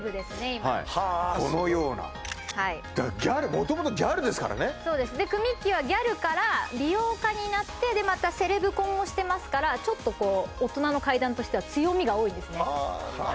今はあそうこのようなもともとギャルですからねそうですくみっきーはギャルから美容家になってでまたセレブ婚をしてますからちょっとこう大人の階段としては強みが多いんですね